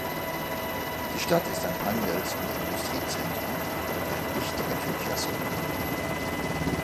Die Stadt ist ein Handels- und Industriezentrum und ein wichtiger Verkehrsknotenpunkt.